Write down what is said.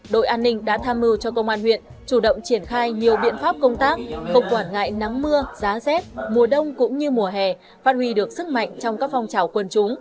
đội an ninh đã tham mưu cho công an huyện chủ động triển khai nhiều biện pháp công tác không quản ngại nắng mưa giá rét mùa đông cũng như mùa hè phát huy được sức mạnh trong các phong trào quân chúng